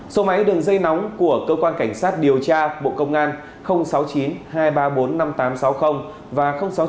số máy đường dây nóng của cơ quan cảnh sát điều tra bộ công an sáu mươi chín hai trăm ba mươi bốn năm nghìn tám trăm sáu mươi và sáu mươi chín hai trăm ba mươi một một nghìn sáu trăm bảy